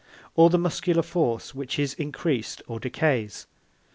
Or the muscular force, which is increased or decays.